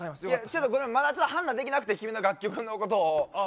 ちょっとまだ判断できなくて君の楽曲のことをあ